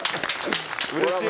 うれしい。